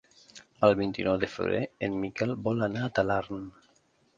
El vint-i-nou de febrer en Miquel vol anar a Talarn.